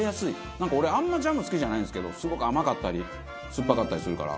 なんか俺あんまジャム好きじゃないんですけどすごく甘かったり酸っぱかったりするから。